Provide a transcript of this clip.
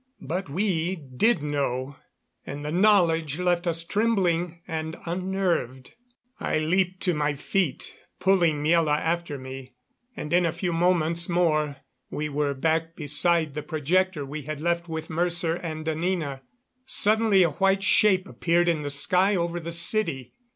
But we did know and the knowledge left us trembling and unnerved. I leaped to my feet, pulling Miela after me, and in a few moments more we were back beside the projector we had left with Mercer and Anina. Suddenly a white shape appeared in the sky over the city.